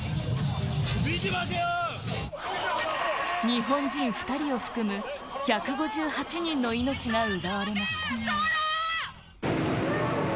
日本人２人を含む、１５８人の命が奪われました。